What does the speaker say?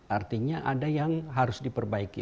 artinya ada yang harus diperbaiki